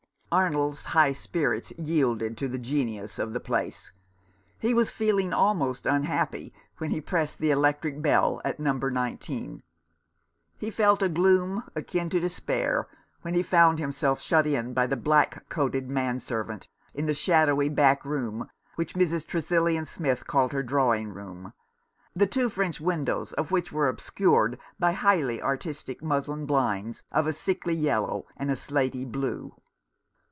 Arnold's high spirits yielded to the genius of the place. He was feeling almost unhappy when he pressed the electric bell at No. 19. He felt a gloom akin to despair when he found him self shut in by the black coated man servant, in the shadowy back room which Mrs. Tresillian Smith called her drawing room, the two French windows of which were obscured by highly artistic muslin blinds of a sickly yellow and a slaty blue. 159 Rough Justice.